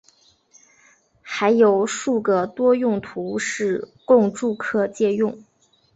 还有数个多用途室供住客借用。